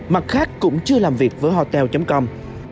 mặt khác cũng chưa làm việc với hotel com